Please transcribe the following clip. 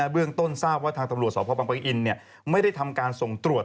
เบื้องต้นทราบว่าทางตำรวจสพบังปะอินไม่ได้ทำการส่งตรวจ